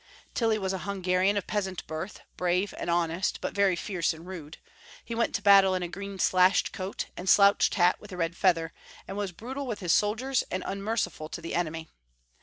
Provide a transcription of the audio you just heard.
Tilly was a Hungarian of peasant birth, brave and honest, but very fierce and rude. He went to battle in a green slashed coat, and slouched hat with a red feather, and was brutal with his soldiers, and unmerciful to the enemy.